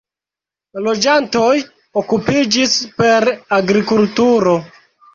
Loĝantoj okupiĝis per agrikulturo.